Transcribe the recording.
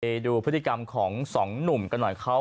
ไปดูพฤติกรรมของสองหนุ่มกันหน่อยเขา